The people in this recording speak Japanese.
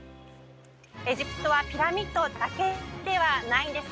エジプトはピラミッドだけではないんです